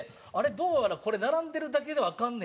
どうやらこれ並んでるだけではアカンねや」